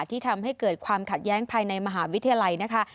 ที่ทำให้เกิดความขัดแย้งภายในมหาวิทยาลัยนะคะ